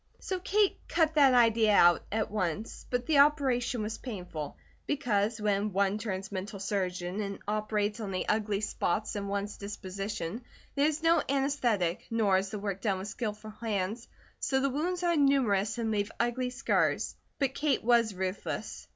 So Kate "cut that idea out" at once, but the operation was painful, because when one turns mental surgeon and operates on the ugly spots in one's disposition, there is no anaesthetic, nor is the work done with skilful hands, so the wounds are numerous and leave ugly scars; but Kate was ruthless.